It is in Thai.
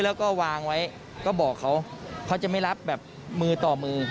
แล้วก็วางไว้ก็บอกเขาเขาจะไม่รับแบบมือต่อมือ